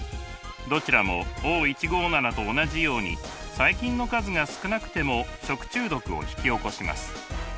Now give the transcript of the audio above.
どちらもＯ−１５７と同じように細菌の数が少なくても食中毒を引き起こします。